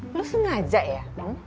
lo sengaja ya